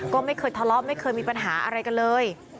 ก็ไม่เคยทะเลาะไม่เคยมีปัญหาอะไรกันเลย